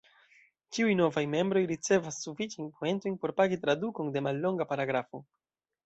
Ĉiuj novaj membroj ricevas sufiĉajn poentojn por "pagi" tradukon de mallonga paragrafo.